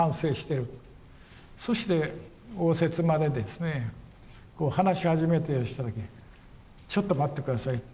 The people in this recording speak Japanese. そして応接間でですねこう話し始めようとした時ちょっと待って下さい。